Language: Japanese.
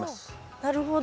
なるほど。